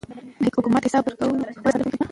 د حکومت حساب ورکونه ولس ته ډاډ ورکوي